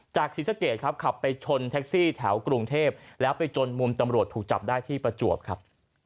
ศรีสะเกดครับขับไปชนแท็กซี่แถวกรุงเทพแล้วไปจนมุมตำรวจถูกจับได้ที่ประจวบครับ